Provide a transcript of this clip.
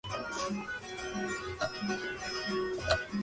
Es el lugar donde se encuentran los cautivos.